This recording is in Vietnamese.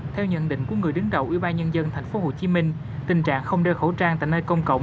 theo nhận định của người đứng đầu ubnd tp hcm tình trạng không đeo khẩu trang tại nơi công cộng